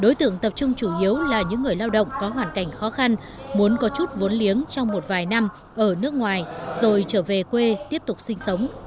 đối tượng tập trung chủ yếu là những người lao động có hoàn cảnh khó khăn muốn có chút vốn liếng trong một vài năm ở nước ngoài rồi trở về quê tiếp tục sinh sống